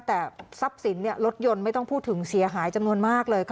แต่ทรัพย์สินรถยนต์ไม่ต้องพูดถึงเสียหายจำนวนมากเลย